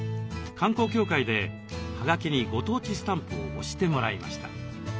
観光協会ではがきにご当地スタンプを押してもらいました。